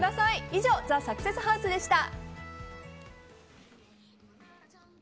以上ＴＨＥサクセスハウスでした。